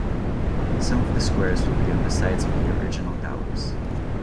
Some of the squares will be on the sites of the original towers.